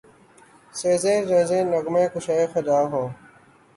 ز سنگ ریزہ نغمہ کشاید خرامِ او